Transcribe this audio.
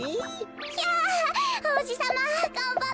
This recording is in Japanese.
ひゃおうじさまがんばって！